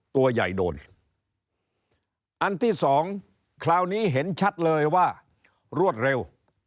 ตัวใหญ่โดนอันที่สองคราวนี้เห็นชัดเลยว่ารวดเร็ว